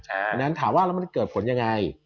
อันนั้นถามว่ามันจะเกิดผลยังไง